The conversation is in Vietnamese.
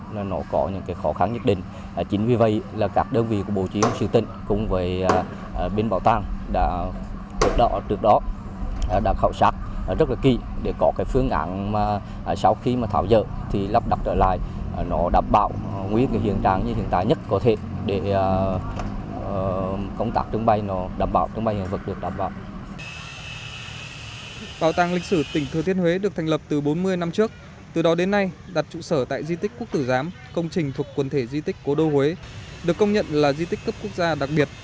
bảo tàng lịch sử tỉnh thừa thiên huế được thành lập từ bốn mươi năm trước từ đó đến nay đặt trụ sở tại di tích quốc tử giám công trình thuộc quần thể di tích cố đô huế được công nhận là di tích cấp quốc gia đặc biệt